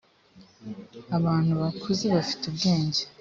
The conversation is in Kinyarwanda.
abantu bakuze bafite ubwenge